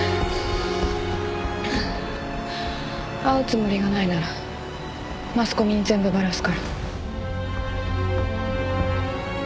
会うつもりがないならマスコミに全部バラすから。